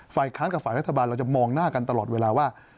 ค้างกับฝ่ายรัฐบาลเราจะมองหน้ากันตลอดเวลาว่า